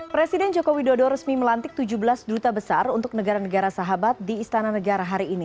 presiden joko widodo resmi melantik tujuh belas duta besar untuk negara negara sahabat di istana negara hari ini